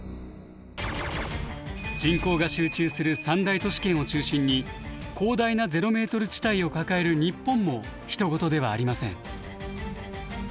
人口が集中する三大都市圏を中心に広大なゼロメートル地帯を抱える日本もひと事ではありません。